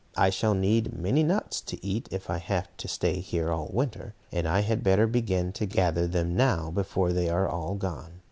I shall need many nuts to eat, if I have to stay here all winter, and I had better begin to gather them now before they are all gone."